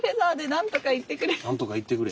なんとかいってくれ。